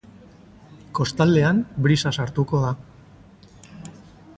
Kostaldean, brisa sartuko da.